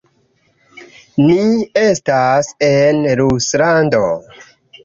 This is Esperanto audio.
Ni estas en Ruslando.